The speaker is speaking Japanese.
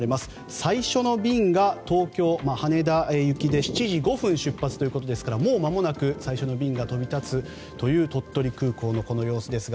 最初の便が東京・羽田雪で７時５分出発ということですからもう間もなく最初の便が飛び立つという鳥取空港の様子ですが。